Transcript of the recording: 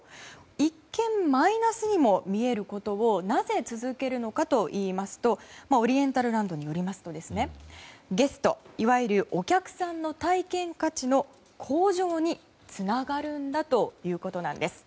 一見マイナスにも見えることをなぜ続けるのかといいますとオリエンタルランドによりますとゲスト、いわゆるお客さんの体験価値の向上につながるんだということなんです。